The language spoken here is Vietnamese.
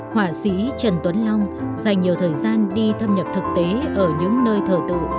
họa sĩ trần tuấn long dành nhiều thời gian đi thâm nhập thực tế ở những nơi thờ tự